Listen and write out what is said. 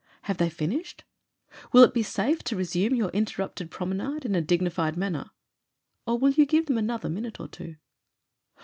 Have they fin ished? Will it be safe to resume your interrupted promenade in a dignified manner? Or will you give them another minute or two?